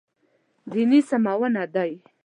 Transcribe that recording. دیني سمونه دی.